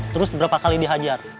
terus berapa kali dihajar